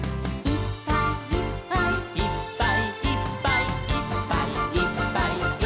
「いっぱいいっぱいいっぱいいっぱい」